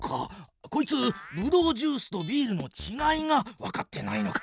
こいつブドウジュースとビールのちがいがわかってないのか。